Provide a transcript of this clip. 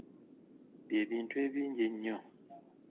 Bye bintu ebingi ennyo.